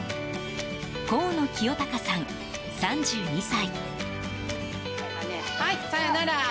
河野清隆さん、３２歳。